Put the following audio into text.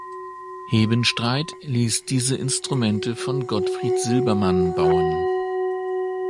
Hebenstreit ließ diese Instrumente von Gottfried Silbermann bauen.